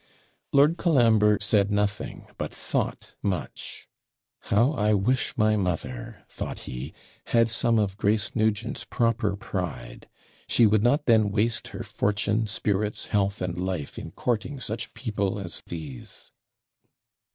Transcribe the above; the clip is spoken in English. Lord Colambre said nothing, but thought much. 'How I wish my mother,' thought he, 'had some of Grace Nugent's proper pride! She would not then waste her fortune, spirits, health, and life, in courting such people as these.'